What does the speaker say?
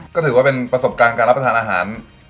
ก็ถือว่าเป็นประสบการณ์การรับประทานอาหาร